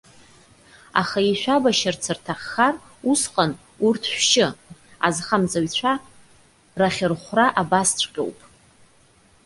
Аха ишәабашьырц рҭаххар усҟан урҭ шәшьы. Азхамҵаҩцәа рахьырхәра абасҵәҟьоуп.